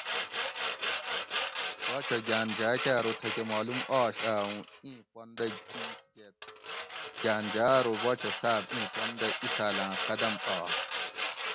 باچہ گھاۤن جاۤ کہ ارو تھکہ معلوم آش آۤ اوں ایں پندہ اِیس گیت؟ گھاۤن جاۤ ارو باچہ صاۤب اِیں پن دہ اِیسالاۤں قدم آش